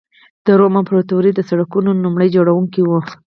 د روم امپراتوري د سړکونو لومړي جوړوونکې وه.